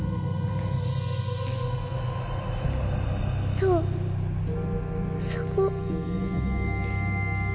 ・そうそこ。